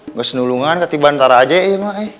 nggak senulungan ketibaan ntar aja ya mak